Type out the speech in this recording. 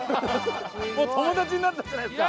もう友達になったんじゃないですか？